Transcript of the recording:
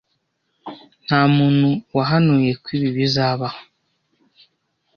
Ntamuntu wahanuye ko ibi bizabaho.